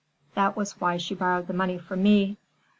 That was why she borrowed the money from me."